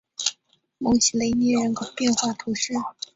蒙西雷涅人口变化图示